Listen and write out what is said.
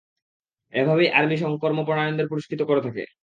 এভাবেই আমি সঙ্কর্ম পরায়ণদের পুরস্কৃত করে থাকি।